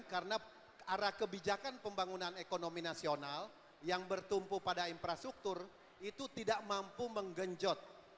karena arah kebijakan pembangunan ekonomi nasional yang bertumpu pada infrastruktur itu tidak mampu menggenjot